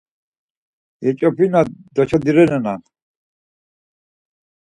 Yeç̌opina doçodinerenan.